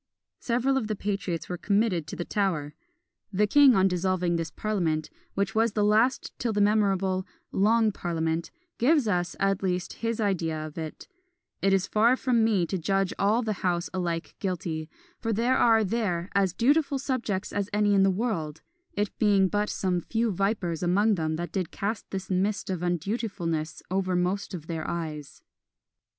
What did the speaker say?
Several of the patriots were committed to the Tower. The king on dissolving this parliament, which was the last till the memorable "Long Parliament," gives us, at least, his idea of it: "It is far from me to judge all the House alike guilty, for there are there as dutiful subjects as any in the world; it being but some few vipers among them that did cast this mist of undutifulness over most of their eyes."